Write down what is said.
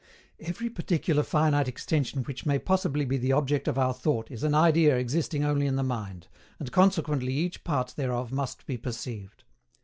Every particular finite extension which may possibly be the object of our thought is an idea existing only in the mind, and consequently each part thereof must be perceived.